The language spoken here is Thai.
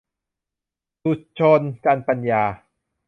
สุชล จันปัญญา